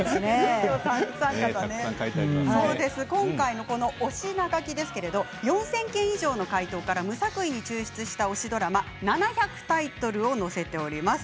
今回の推し名書き４０００件以上の回答から無作為に抽出した推しドラマ７００タイトルを載せています。